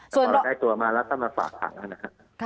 ตอนว่าได้ตัวมาและถ้ังมาฝากขังครับค่ะ